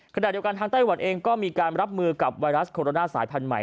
ขณะเดียวกันทางไต้หวันเองก็มีการรับมือกับไวรัสโคโรนาสายพันธุ์ใหม่